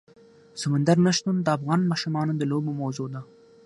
سمندر نه شتون د افغان ماشومانو د لوبو موضوع ده.